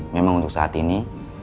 memang untuk saat ini